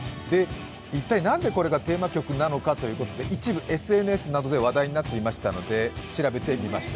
一体、なんでこれがテーマ曲なのかということで一部、ＳＮＳなどで話題になっていましたので調べてみました。